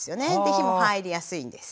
火も入りやすいんです。